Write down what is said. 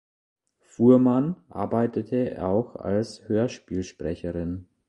Fuhrmann arbeitete auch als Hörspielsprecherin.